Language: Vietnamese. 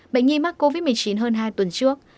bệnh nhi mắc covid một mươi chín hơn hai tuần trước